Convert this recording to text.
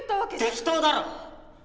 適当だろ！